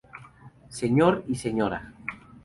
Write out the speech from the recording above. Sr. y Sra.